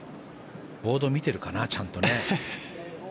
ボードを見ているかなちゃんとね。